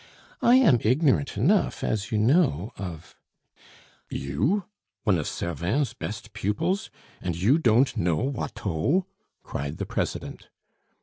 I am ignorant enough, as you know, of " "You! One of Servin's best pupils, and you don't know Watteau?" cried the President.